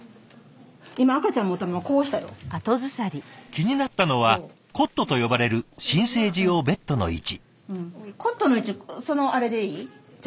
気になったのはコットと呼ばれる新生児用ベッドの位置。